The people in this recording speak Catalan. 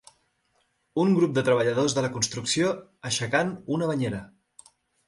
Un grup de treballadors de la construcció aixecant una banyera.